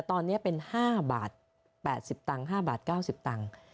๘๐ตังค์๕บาท๙๐ตังค์